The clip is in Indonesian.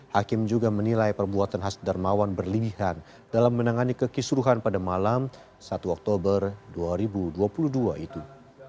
hakim juga menilai perbuatan hasdarmawan berlebihan dalam menangani kekisruhan pada malam satu oktober dua ribu dua puluh dua itu